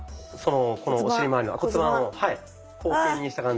このお尻まわりの骨盤を後傾にした感じ。